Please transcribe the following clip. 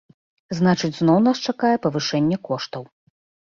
Значыць, зноў нас чакае павышэнне коштаў.